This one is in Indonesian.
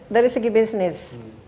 dari segi bisnis